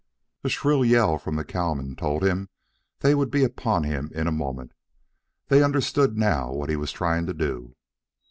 A shrill yell from the cowmen told him they would be upon him in a moment. They understood now what he was trying to do.